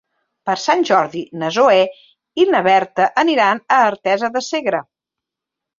Per Sant Jordi na Zoè i na Berta aniran a Artesa de Segre.